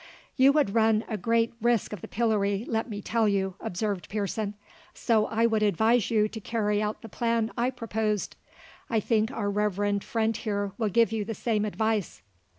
"You would run a great risk of the pillory, let me tell you," observed Pearson; "so I would advise you to carry out the plan I proposed; I think our reverend friend here will give you the same advice."